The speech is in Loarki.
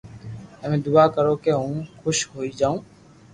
تمي دعا ڪرو ڪي ھون خوݾ ھوئي جاو